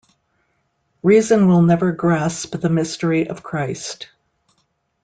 Reason will never grasp the mystery of Christ.